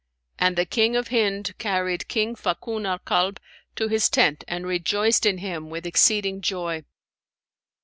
and the King of Hind carried King Fakun al Kalb to his tent and rejoiced in him with exceeding joy.